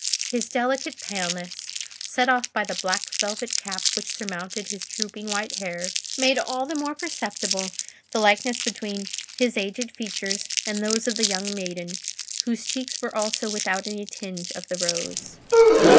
His delicate paleness, set off by the black velvet cap which surmounted his drooping white hair, made all the more perceptible the likeness between his aged features and those of the young maiden, whose cheeks were also without any tinge of the rose.